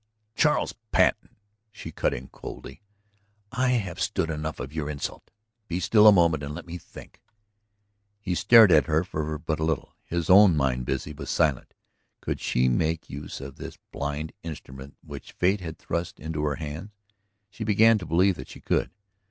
"Charles Patten," she cut in coolly, "I have stood enough of your insult. Be still a moment and let me think." He stared at her but for a little; his own mind busy, was silent. Could she make use of this blind instrument which fate had thrust into her hand? She began to believe that she could.